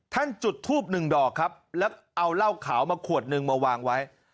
จุดทูบหนึ่งดอกครับแล้วเอาเหล้าขาวมาขวดหนึ่งมาวางไว้